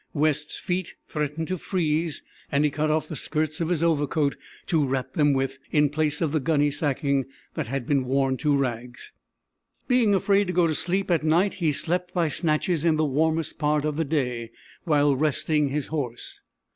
West's feet threatened to freeze, and he cut off the skirts of his overcoat to wrap them with, in place of the gunny sacking, that had been worn to rags. Being afraid to go to sleep at night, he slept by snatches in the warmest part of the day, while resting his horse.